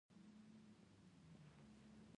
ځمکنی شکل د افغانستان د سیلګرۍ د صنعت یوه برخه ده.